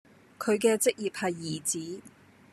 佢嘅職業係兒子